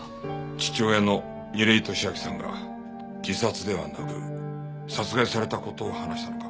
父親の楡井敏秋さんが自殺ではなく殺害された事を話したのか？